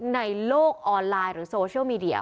ในโลกออนไลน์หรือโซเชียลมีเดีย